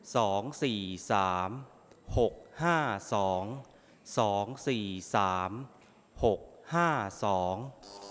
สองสี่สามหกห้าสองสองสี่สามหกห้าสอง